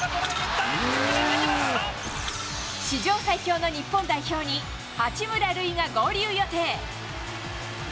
史上最強の日本代表に八村塁が合流予定。